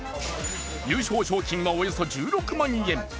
優勝賞金はおよそ１６万円